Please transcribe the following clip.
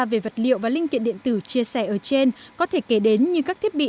về vật liệu và linh kiện điện tử chia sẻ ở trên có thể kể đến như các thiết bị